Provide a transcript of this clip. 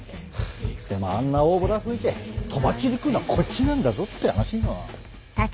でもあんな大ボラ吹いてとばっちり食うのはこっちなんだぞって話よ。